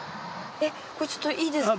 これちょっといいですか？